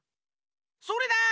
それだ！